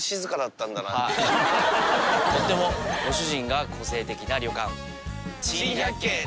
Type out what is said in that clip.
とってもご主人が個性的な旅館。